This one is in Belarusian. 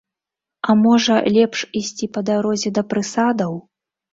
А можа, лепш ісці па дарозе да прысадаў?